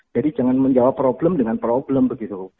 jadi jangan menjawab problem dengan problem begitu